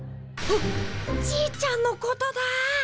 あっじいちゃんのことだ！